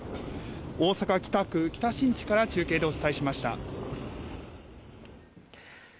大阪・北区北新地から中継でお伝えしました。